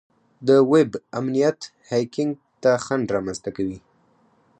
د ویب امنیت هیکینګ ته خنډ رامنځته کوي.